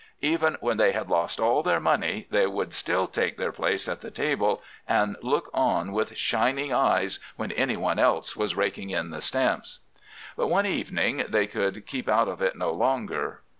Even when they had lost all their money they would still take their places at the table and look on with shining eyes when any one else was raking in the stamps. "But one evening they could keep out of it no longer.